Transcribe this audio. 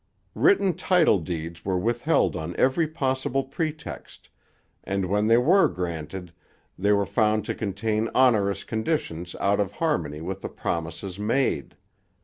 Written title deeds were withheld on every possible pretext, and when they were granted they were found to contain onerous conditions out of harmony with the promises made.